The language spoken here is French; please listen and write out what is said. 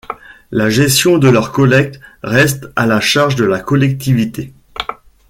La gestion de leur collecte reste à la charge de la collectivité.